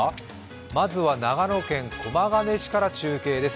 まずは長野県駒ヶ根市から中継です。